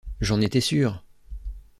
J’en étais sûre!